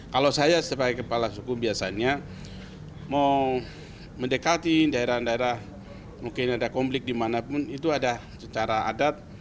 kalau saya sebagai kepala suku biasanya mau mendekati daerah daerah mungkin ada konflik dimanapun itu ada secara adat